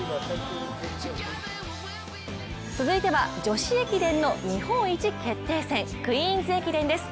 続いては、女子駅伝の日本一決定戦クイーンズ駅伝です。